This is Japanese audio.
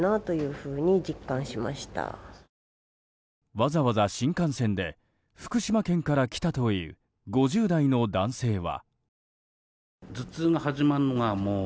わざわざ新幹線で福島県から来たという５０代の男性は。